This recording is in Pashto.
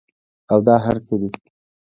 او دا هر څۀ دي